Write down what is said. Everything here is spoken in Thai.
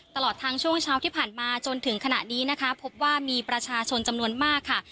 ตลอดทางช่วงเช้าที่ผ่านมาจนถึงขณะนี้นะคะพบว่ามีประชาชนจำนวนมากค่ะ